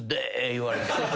言われて。